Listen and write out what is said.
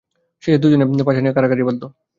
শেষে দুজনে পাশা নিয়ে কাড়াকাড়ি বাধল।